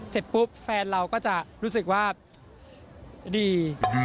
เสร็จปุ๊บแฟนเราก็จะรู้สึกว่าดี